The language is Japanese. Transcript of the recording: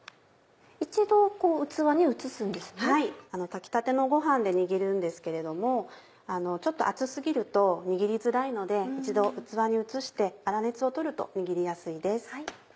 炊きたてのご飯で握るんですけれどもちょっと熱過ぎると握りづらいので一度器に移して粗熱を取ると握りやすいです。